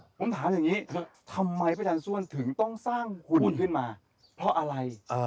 ผมถามอย่างนี้ทำไมพระอาจารย์ส้วนถึงต้องสร้างคุณขึ้นมาเพราะอะไร